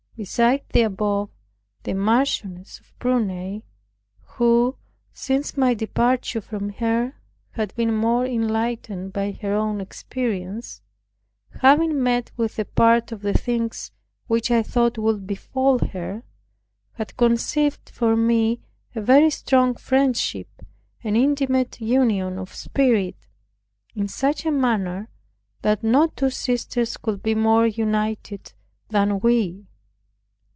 Beside the above, the Marchioness of Prunai, who, since my departure from her, had been more enlightened by her own experience, having met with a part of the things which I thought would befall her, had conceived for me a very strong friendship and intimate union of spirit, in such a manner that no two sisters could be more united than we.